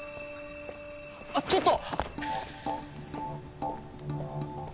あっちょっと！